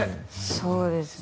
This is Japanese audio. そうですね。